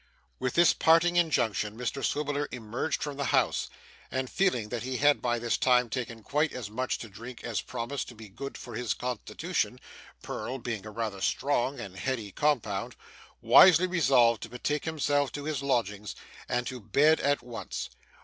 With this parting injunction, Mr Swiveller emerged from the house; and feeling that he had by this time taken quite as much to drink as promised to be good for his constitution (purl being a rather strong and heady compound), wisely resolved to betake himself to his lodgings, and to bed at once.